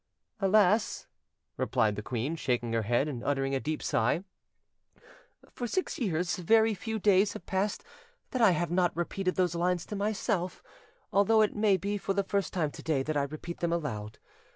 "Alas!" replied the queen, shaking her head and uttering a deep sigh, "for six years very few days have passed that I have not repeated those lines to myself, although it may be for the first time to day that I repeat them aloud.